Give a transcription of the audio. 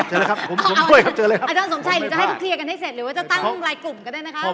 อาจารย์สมชัยหรือจะให้เครียร์กันให้เสร็จหรือว่าจะตั้งรายกลุ่มก็ได้นะครับ